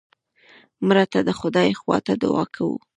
مړه ته د خدای خوا ته دعا کوو